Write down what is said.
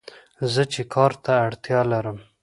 زه چې کار ته اړتیا لرم